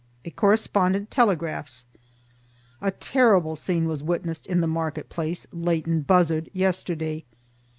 A correspondent telegraphs: A terrible scene was witnessed in the market place, Leighton Buzzard, yesterday.